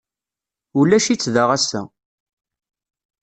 Ulac-itt da ass-a.